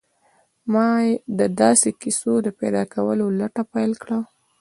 ما د داسې کيسو د پيدا کولو لټه پيل کړه.